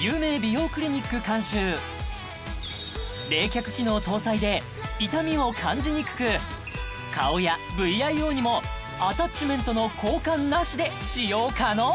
有名冷却機能搭載で痛みを感じにくく顔やＶＩＯにもアタッチメントの交換ナシで使用可能！